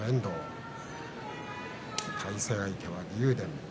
対戦相手は竜電。